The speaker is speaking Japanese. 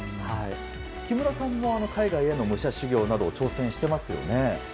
木村さんは海外への武者修行などに挑戦していますよね。